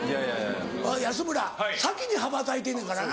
おい安村先に羽ばたいてんねんからな。